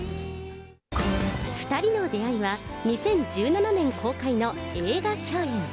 ２人の出会いは２０１７年公開の映画共演。